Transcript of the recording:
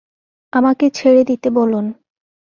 আমাকে ছেড়ে দিতে বলুন।